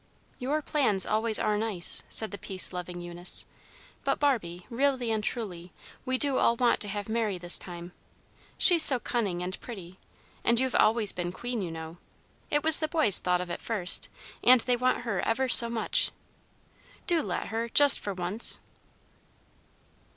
"Your plans always are nice," said the peace loving Eunice; "but, Barbie, really and truly, we do all want to have Mary this time. She's so cunning and pretty, and you've always been queen, you know. It was the boys thought of it first, and they want her ever so much. Do let her, just for once."